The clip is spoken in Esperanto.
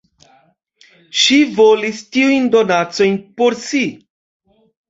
Ŝi volis tiujn donacojn por si.